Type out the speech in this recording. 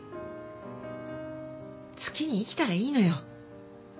好きに生きたらいいのよ。